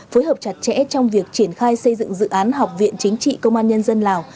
phối hợp chặt chẽ trong việc triển khai xây dựng dự án học viện chính trị công an nhân dân lào